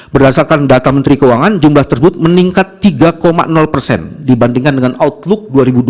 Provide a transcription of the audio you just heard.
berdasarkan data menteri keuangan jumlah tersebut meningkat tiga persen dibandingkan dengan outlook dua ribu dua puluh